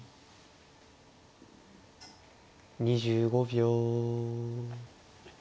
２５秒。